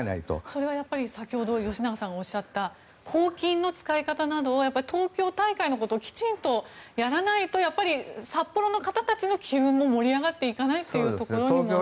それは先ほど吉永さんがおっしゃった公金の使い方などを東京大会のことなどをきちんとやらないと札幌の方たちの機運も盛り上がっていかないということでしょうか。